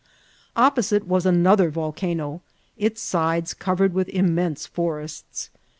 Opposite was another volcano, its sides covered with immense forests.